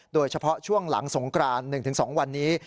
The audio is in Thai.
โดยเฉพาะช่วงหลังสงกราน๑๒วันนี้